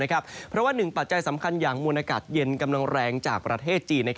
เพราะว่าหนึ่งปัจจัยสำคัญอย่างมวลอากาศเย็นกำลังแรงจากประเทศจีน